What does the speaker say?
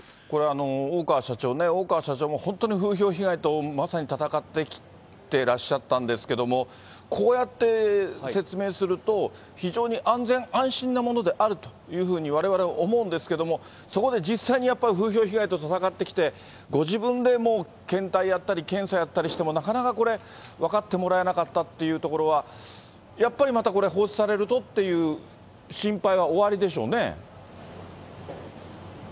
これ、大川社長ね、大川社長も本当に風評被害とまさに戦ってきてらっしゃったんですけども、こうやって説明すると、非常に安全安心なものであるというふうに、われわれは思うんですけども、そこで実際にやっぱり風評被害とたたかってきて、ご自分でもう検体やったり、検査やったりしてもなかなかこれ、分かってもらえなかったというところは、やっぱりまたこれ放出されるとっていう心そうですね。